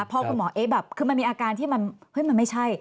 เพราะคุณหมอเอ๊ะแบบคือมันมีอาการที่มันไม่ใช่